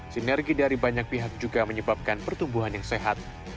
sinergi dari banyak pihak juga menyebabkan pertumbuhan yang sehat